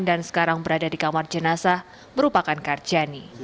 dan sekarang berada di kamar jenazah merupakan karjani